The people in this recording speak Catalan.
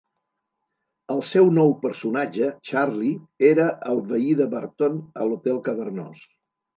El seu nou personatge, Charlie, era el veí de Barton a l'hotel cavernós.